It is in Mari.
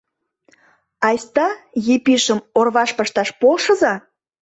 Айста, Епишым орваш пышташ полшыза.